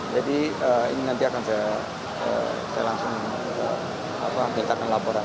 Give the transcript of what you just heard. jadi ini nanti akan saya langsung mengingatkan laporan